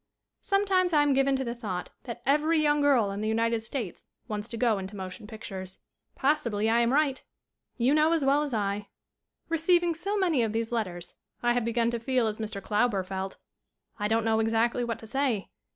Sometimes I am given to the thought that every young girl in the United States wants to go into motion pictures. SCREEN ACTING 21 Possibly I am right. You know as well as I. Receiving so many of these letters I have be gun to feel as Mr. Klauber felt. I don't know exactly what to say.